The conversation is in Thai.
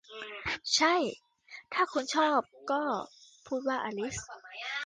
ใช่ถ้าคุณชอบ ก็พูดว่าอลิซ